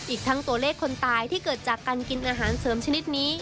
อีกทั้งตัวเลขคนตายที่เกิดจากการกินอาหารเสริมชนิดนี้